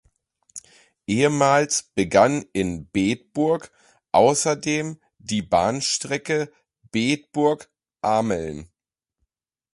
Ehemals begann in Bedburg außerdem die Bahnstrecke Bedburg–Ameln.